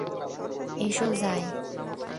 এসো, যাই।